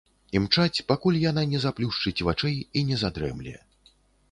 Імчаць, пакуль яна не заплюшчыць вачэй і не задрэмле.